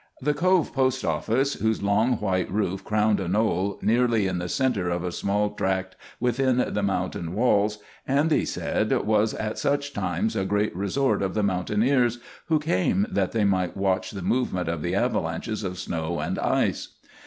The Cove post office, whose long white roof crowned a knoll nearly in the center of a small tract within the mountain walls, Andy said, was at such times a great resort of the mountaineers, who came that they might watch the movement of the avalanches of snow and ice.